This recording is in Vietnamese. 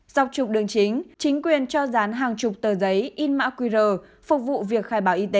dọc trục đường chính chính quyền cho dán hàng chục tờ giấy in mã qr phục vụ việc khai báo y tế